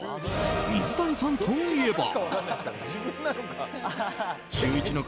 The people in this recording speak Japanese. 水谷さんといえば。